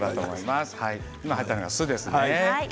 今、入ったのが酢ですね。